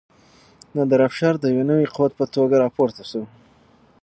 نادر افشار د یو نوي قوت په توګه راپورته شو.